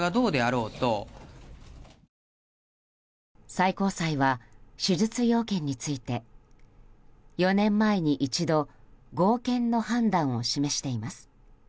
最高裁は手術要件について４年前に一度合憲の判断を示しています。